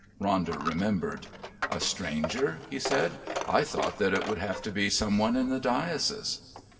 Ronder remembered. "A stranger?" he said. "I thought that it would have to be some one in the diocese."